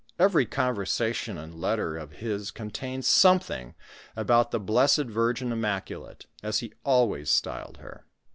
Every conversation and let ter of his contained something about the Blessed Virgin Im maculate, as he always styled her.